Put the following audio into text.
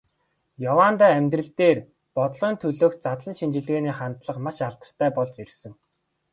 Яваандаа амьдрал дээр, бодлогын төлөөх задлан шинжилгээний хандлага маш алдартай болж ирсэн.